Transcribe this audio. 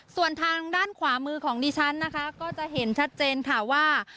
ส่วนทางด้านขวามือของดิฉันนะคะก็จะเห็นชัดเจนค่ะว่า